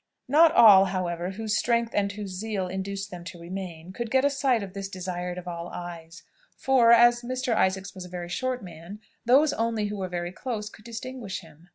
Not all, however, whose strength and whose zeal induced them to remain, could get a sight of this desired of all eyes: for, as Mr. Isaacs was a very short man, those only who were very close could distinguish him.